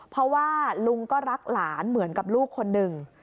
เพราะว่าลุงก็รักหลานเหมือนกับลูกคนหนึ่ง